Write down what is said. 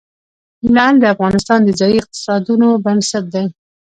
لعل د افغانستان د ځایي اقتصادونو بنسټ دی.